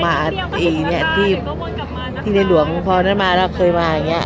ก็อยากมาอาทิตย์เนี้ยที่ที่เรียนหลวงพอแล้วมาเราเคยมาอย่างเงี้ย